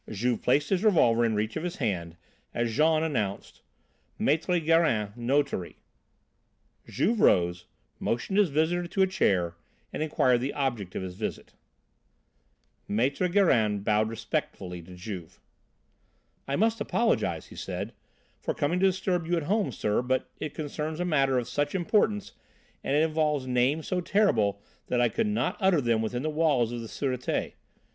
Juve placed his revolver in reach of his hand as Jean announced: "Maître Gérin, notary." Juve rose, motioned his visitor to a chair and inquired the object of his visit. Maître Gérin bowed respectfully to Juve. "I must apologise," he said, "for coming to disturb you at home, sir, but it concerns a matter of such importance and it involves names so terrible that I could not utter them within the walls of the Sûreté.